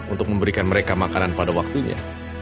untuk memberikan mereka makanan pada waktunya